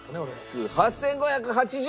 ８５８０円。